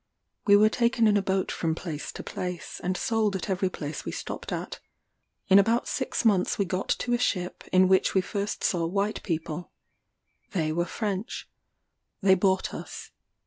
We were taken in a boat from place to place, and sold at every place we stopped at. In about six months we got to a ship, in which we first saw white people: they were French. They bought us.